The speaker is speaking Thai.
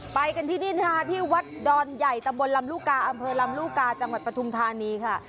ไปกันที่นี่นะคะที่วัดดอนใหญ่ตำบลลำลูกกาอำเภอลำลูกกาจังหวัดปฐุมธานีค่ะ